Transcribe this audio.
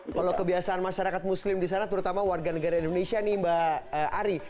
kalau kebiasaan masyarakat muslim di sana terutama warga negara indonesia nih mbak ari